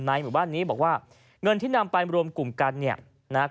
ในบ้านนี้บอกว่าเงินที่นำไปรวมกลุ่มกัน